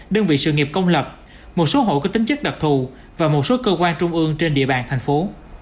đơn vị sự nghiệp công lập một số hộ có tính chức đặc thù và một số cơ quan trung ương trên địa bàn thành phố